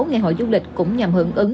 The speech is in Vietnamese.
ngày hội du lịch cũng nhằm hưởng ứng